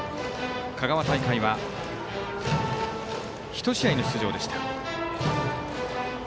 香川大会は１試合の出場でした。